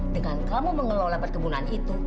dengan kamu mengelola perkebunan itu